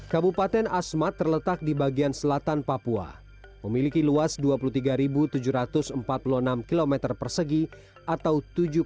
kabupaten asmat terletak di bagian selatan papua memiliki luas dua puluh tiga tujuh ratus empat puluh enam km persegi atau